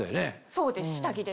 そうです下着です。